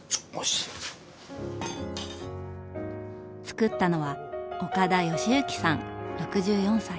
つくったのは岡田吉之さん６４歳。